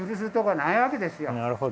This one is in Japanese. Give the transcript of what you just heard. なるほど。